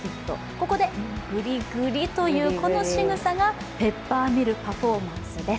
ここでぐりぐりというこのしぐさがペッパーミルパフォーマンスです。